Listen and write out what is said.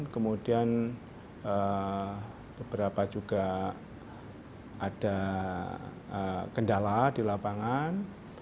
kemudian beberapa juga ada kendala di lapangan